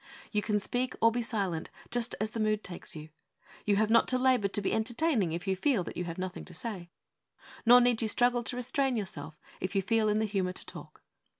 You can speak or be silent, just as the mood takes you. You have not to labour to be entertaining if you feel that you have nothing to say; nor need you struggle to restrain yourself if you feel in the humour to talk.